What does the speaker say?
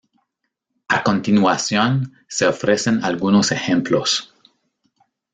A continuación se ofrecen algunos ejemplos.